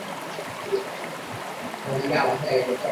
馆内现有农业历史和动物资源两个展馆。